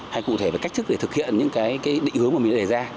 hay cụ thể về cách thức để thực hiện những cái định hướng mà mình đã đề ra